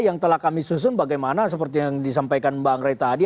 yang telah kami susun bagaimana seperti yang disampaikan bang rey tadi